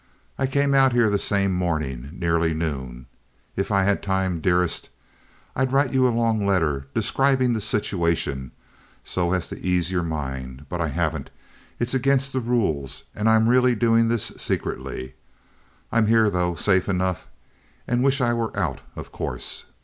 I came out here the same morning—nearly noon. If I had time, dearest, I'd write you a long letter describing the situation so as to ease your mind; but I haven't. It's against the rules, and I am really doing this secretly. I'm here, though, safe enough, and wish I were out, of course.